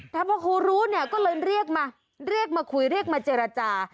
แต่พอครูรู้เนี่ยก็เลยเรียกมาเรียกมาคุยเรียกมาเจรจา